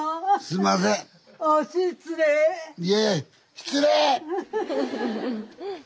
失礼！